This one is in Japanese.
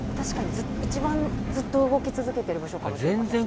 一番ずっと動き続けている部署かもしれません。